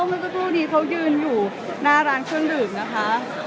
มันก็พูดดีเขายืนอยู่น่าร้านเครื่องดื่มนะคะ